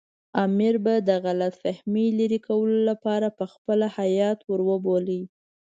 امیر به د غلط فهمۍ لرې کولو لپاره پخپله هیات ور وبولي.